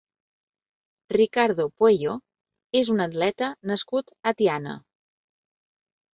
Ricardo Pueyo és un atleta nascut a Tiana.